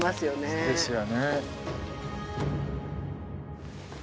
そうですよね。